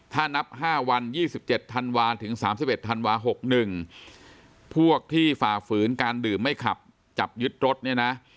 ถ้านับห้าวันยี่สิบเจ็ดธันวาถึงสามสิบเอ็ดธันวาหกหนึ่งพวกที่ฝ่าฝืนการดื่มไม่ขับจับยึดรถเนี่ยนะ